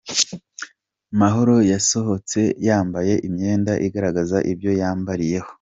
Mahoro yasohotse yambaye imyenda igaragaza ibyo yambariyeho